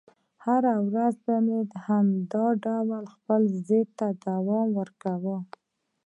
هره ورځ به مې په همدې ډول خپل ضد ته دوام ورکاوه.